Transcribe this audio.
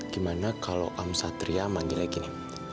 gimana kalau om satria manggilnya gini